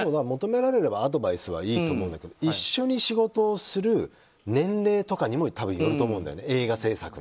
求められればアドバイスはいいと思うけど一緒に仕事をする年齢にもよると思うんだよね。